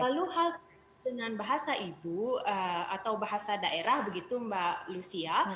lalu hal dengan bahasa ibu atau bahasa daerah begitu mbak lucia